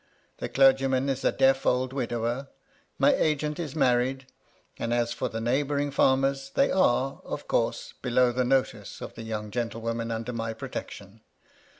The clergyman is a deaf old * widower ; my agent is married ; and as for the neigh * bouring farmers, they are, of course, below the notice * of the young gentlewomen under my protection.